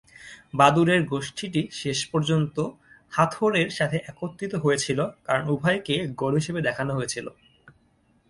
বাদুড়ের গোষ্ঠীটি শেষ পর্যন্ত হাথোর এর সাথে একত্রিত হয়েছিল কারণ উভয়কেই গরু হিসাবে দেখানো হয়েছিল।